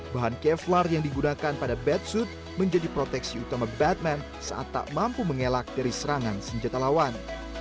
bahan kevlar yang digunakan pada batsuit menjadi proteksi utama batman saat tak mampu mengelak dari serangan senjata lawan